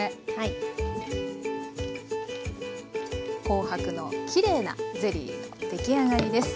紅白のきれいなゼリーの出来上がりです。